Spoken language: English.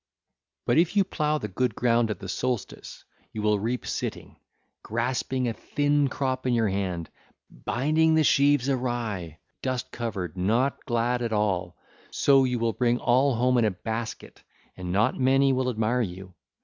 (ll. 479 492) But if you plough the good ground at the solstice 1319, you will reap sitting, grasping a thin crop in your hand, binding the sheaves awry, dust covered, not glad at all; so you will bring all home in a basket and not many will admire you.